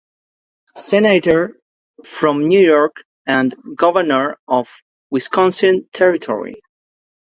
Senator from New York and Governor of the Wisconsin Territory.